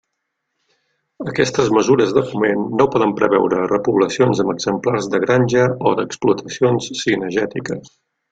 Aquestes mesures de foment no poden preveure repoblacions amb exemplars de granja o d'explotacions cinegètiques.